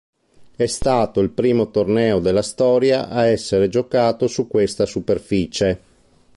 È stato il primo torneo della storia a essere giocato su questa superficie.